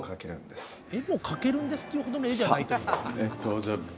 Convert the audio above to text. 絵も描けるんですって言うほどの絵じゃないと思う。